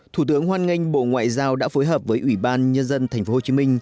thủ tướng hoan nghênh bộ ngoại giao đã phối hợp với ủy ban nhân dân thành phố hồ chí minh